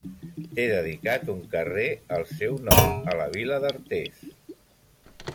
Té dedicat un carrer al seu nom a la vila d'Artés.